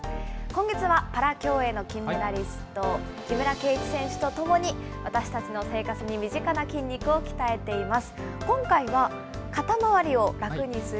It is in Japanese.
今月はパラ競泳の金メダリスト、木村敬一選手と共に、私たちの生活に身近な筋肉を鍛えています。